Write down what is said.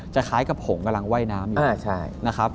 จะคล้ายกับผมกำลังว่ายน้ำอยู่